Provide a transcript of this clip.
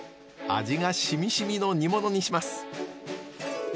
味がしみしみの煮物にします。